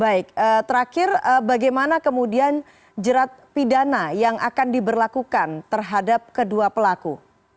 baik terakhir bagaimana kemudian jerat pidana yang akan diberlakukan terhadap kedua pelaku